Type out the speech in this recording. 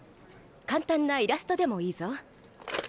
簡単なイラストでもいいぞ。